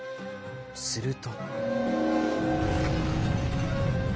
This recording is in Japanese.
すると。